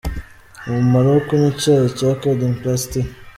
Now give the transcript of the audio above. Umumaro wo kunywa icyayi cya Kudding Plus Tea.